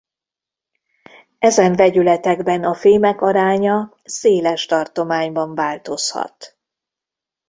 Ezen vegyületekben a fémek aránya széles tartományban változhat.